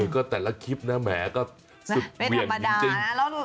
ก็แต่ละคลิปนะแหมก็สุดเวียนมาได้จริง